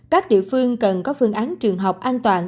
các địa phương cần có phương án trường học an toàn